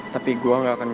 kamu selalu ssm